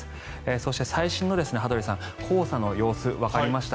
そして、最新の黄砂の様子わかりました。